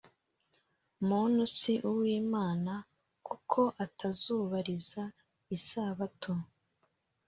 muntu si uw Imana kuko atazubariza isabato.